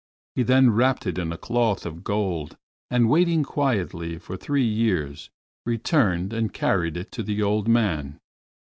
He then wrapped it in a cloth of gold and, waiting quietly for three years, returned and carried it to the old man.